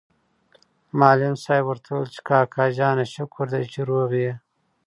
معلم صاحب ورته وویل چې کاکا جانه شکر دی چې روغ یې.